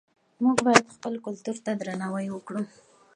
موږ باید خپل کلتور ته درناوی وکړو.